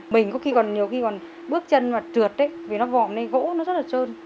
mình có khi còn nhiều khi còn bước chân mà trượt vì nó vòm lên gỗ nó rất là trơn